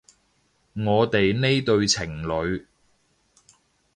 我哋呢對情侣